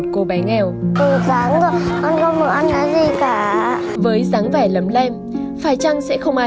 con xin cô ạ